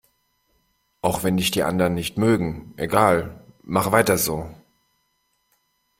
Auch wenn dich die anderen nicht mögen, egal, mach weiter so!